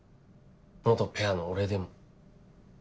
元ペアの俺でも。